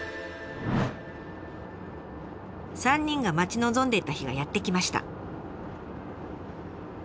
３人が待ち望んでいた日がやって来ました。